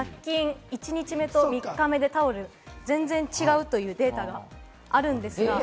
１日目と３日目でタオル、全然違うというデータがあるんです。